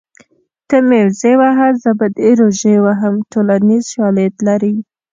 ته مې وزې وهه زه به دې روژې وهم ټولنیز شالید لري